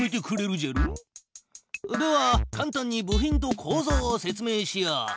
ではかん単に部品とこうぞうを説明しよう。